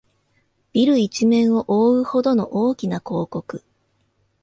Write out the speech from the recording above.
ビル一面をおおうほどの大きな広告